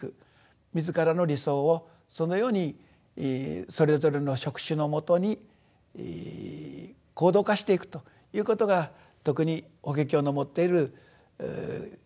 自らの理想をそのようにそれぞれの職種のもとに行動化していくということが特に法華経の持っている生き方ではないかと。